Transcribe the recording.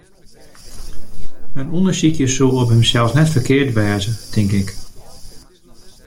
In ûndersykje soe op himsels net ferkeard wêze, tink ik.